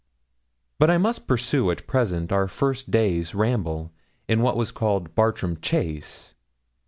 But I must pursue at present our first day's ramble in what was called Bartram Chase.